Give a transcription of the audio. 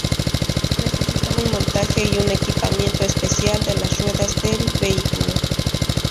Necesita un montaje y un equipamiento especial de las ruedas del vehículo.